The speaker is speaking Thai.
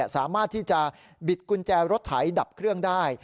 สามารถที่จะบิดกุญแจรถไถดับเครื่องได้